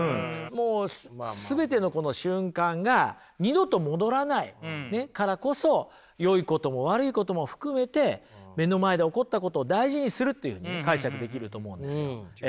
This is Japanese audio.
もう全てのこの瞬間が二度と戻らないからこそよいことも悪いことも含めて目の前で起こったことを大事にするというふうにね解釈できると思うんですよええ。